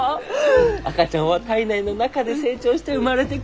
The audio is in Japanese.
赤ちゃんは胎内の中で成長して生まれてくる。